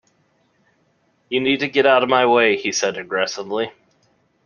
You need to get out of my way! he said aggressively